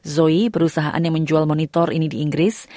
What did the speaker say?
zoi perusahaan yang menjual monitor ini di inggris